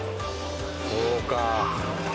そうか。